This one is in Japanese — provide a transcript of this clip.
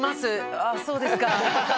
ああそうですか。